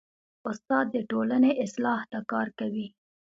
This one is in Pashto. استاد د ټولنې اصلاح ته کار کوي.